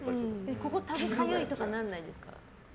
ここタグかゆいとかならないんですか？